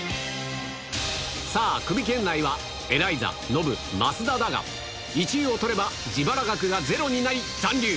さあ、クビ圏内は、エライザ、ノブ、増田だが、１位を取れば自腹額がゼロになり、残留。